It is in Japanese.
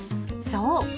［そう。